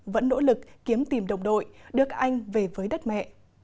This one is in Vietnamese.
vẫn nỗ lực kiếm tìm đồng đội được anh về với đất mẹ